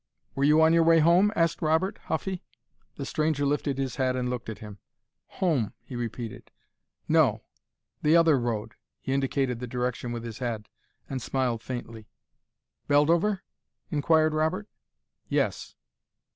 "Were you on your way home?" asked Robert, huffy. The stranger lifted his head and looked at him. "Home!" he repeated. "No. The other road " He indicated the direction with his head, and smiled faintly. "Beldover?" inquired Robert. "Yes."